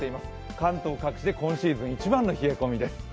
関東各地で今シーズン一番の冷え込みです。